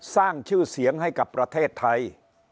สร้างชื่อเสียงให้กับประเทศไทย